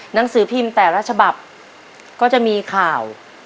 หนังสือพิมพ์แต่ละฉบับก็จะมีข่าว